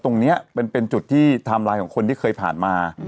ตรงนี้เป็นจุดที่ไทม์ไลน์ของคนที่เคยผ่านมา